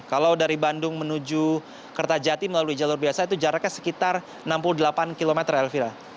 kalau dari bandung menuju kertajati melalui jalur biasa itu jaraknya sekitar enam puluh delapan km elvira